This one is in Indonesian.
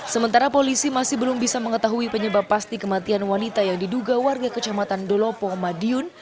sementara polisi masih belum bisa mengetahui penyebab pasti kematian wanita yang diduga warga kecamatan dolopo madiun